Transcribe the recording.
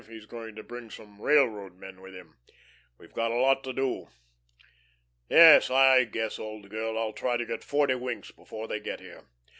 He's going to bring some railroad men with him. We've got a lot to do. Yes, I guess, old girl, I'll try to get forty winks before they get here.